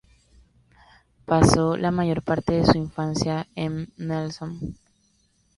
Pasó la mayor parte de su infancia en Nelson.